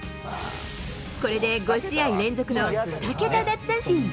これで５試合連続の２桁奪三振。